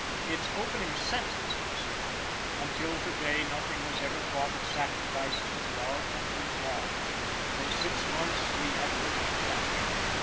Its opening sentences "Until to day nothing was ever thought of sacrificing to our country's wrongs. For six months we had worked to capture.